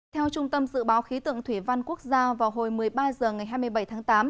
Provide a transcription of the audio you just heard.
theo trung tâm dự báo khí tượng thủy văn quốc gia vào hồi một mươi ba h ngày hai mươi bảy tháng tám